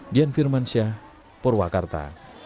dian firmansyah purwakarta